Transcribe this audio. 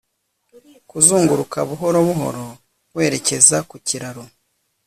Kuzunguruka buhoro buhoro werekeza ku kiraro